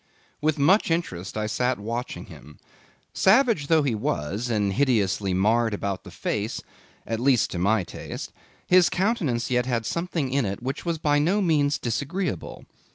With much interest I sat watching him. Savage though he was, and hideously marred about the face—at least to my taste—his countenance yet had a something in it which was by no means disagreeable.